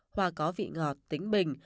hoa có vị ngọt tính bình